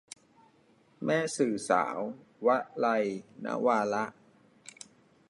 แม่สื่อสาว - วลัย นวาระ